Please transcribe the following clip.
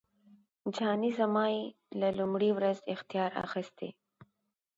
جهانی زما یې له لومړۍ ورځی اختیار اخیستی